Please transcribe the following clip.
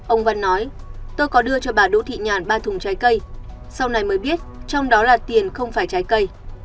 ông văn nói tôi có đưa cho bà đỗ thị nhàn ba thùng trái cây sau này mới biết trong đó là tiền không phải trái cây